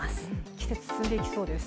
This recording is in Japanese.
季節が進んでいきそうです。